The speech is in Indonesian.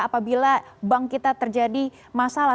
apabila bank kita terjadi masalah